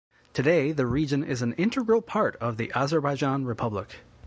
Today the region is an integral part of the Azerbaijan Republic.